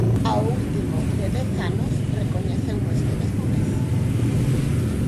Ao último, de dez anos, recoñeceuno este mesmo mes.